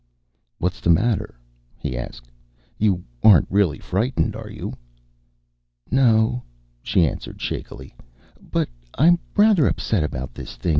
"What's the matter?" he asked. "You aren't really frightened, are you?" "No," she answered shakily, "but I'm rather upset about this thing.